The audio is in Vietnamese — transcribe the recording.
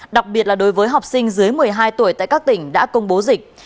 đặc biệt là đối với học sinh dưới một mươi hai tuổi tại các tỉnh đã công bố dịch